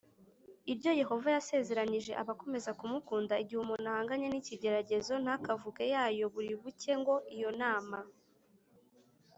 Iryo yehova yasezeranyije abakomeza kumukunda igihe umuntu ahanganye n ikigeragezo ntakavuge yayo buri buke ngo iyo nama